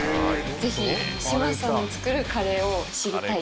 ぜひ志麻さんの作るカレーを知りたい。